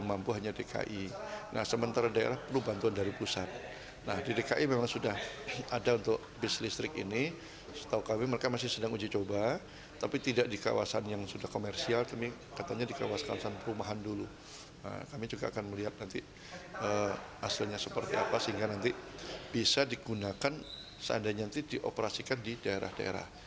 akan seandainya nanti dioperasikan di daerah daerah